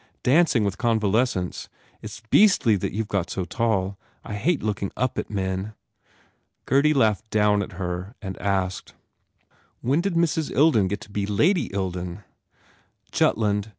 Dancing with convalescents. It s beastly you ve got so tall. I hate looking up at men." Gurdy laughed down at her and asked, "When did Mrs. Ilden get to be Lady Ilden?" "Jutland.